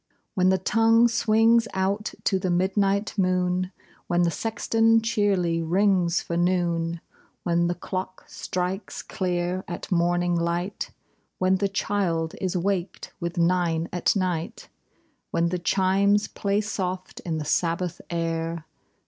When the tonirue swino;s out to the midnin; ht moon— When the sexton checrly rings for noon — When the clock strikes clear at morning light — When the child is waked with " nine at night" — When the chimes play soft in the Sabbath air.